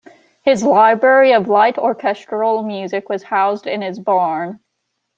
His library of light orchestral music was housed in his barn.